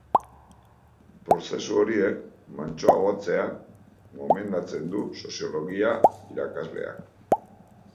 Prozesu horiek mantsoagotzea gomendatzen du soziologia irakasleak.